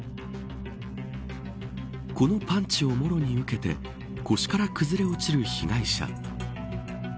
このパンチをもろに受けて腰から崩れ落ちる被害者。